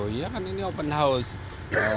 oh iya kan ini open house